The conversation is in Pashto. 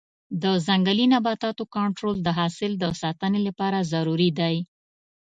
د ځنګلي نباتاتو کنټرول د حاصل د ساتنې لپاره ضروري دی.